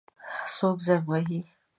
څوک زنګ وهي؟